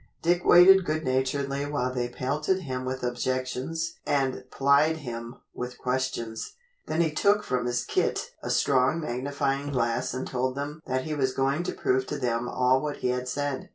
Dick waited good naturedly while they pelted him with objections and plied him with questions. Then he took from his kit a strong magnifying glass and told them that he was going to prove to them all what he had said.